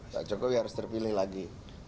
pak jokowi harus terpilih lagi